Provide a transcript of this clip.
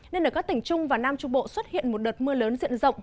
nên ở các tỉnh trung và nam trung bộ xuất hiện một đợt mưa lớn diện rộng